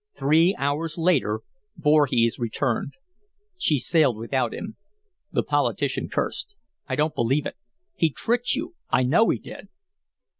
Three hours later Voorhees returned. "She sailed without him." The politician cursed. "I don't believe it. He tricked you. I know he did."